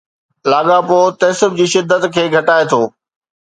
لاڳاپو تعصب جي شدت کي گھٽائي ٿو.